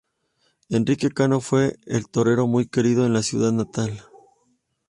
Enrique Cano fue un torero muy querido en su ciudad natal.